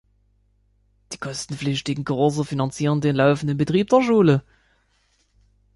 Die kostenpflichtigen Kurse finanzieren den laufenden Betrieb der Schule.